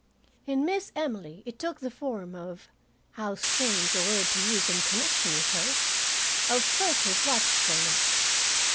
In Miss Emily, it took the form of how strange a word to use in connection with her! of furtive watchfulness.